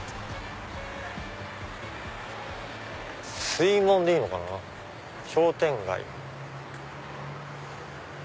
「水門」でいいのかな商店街。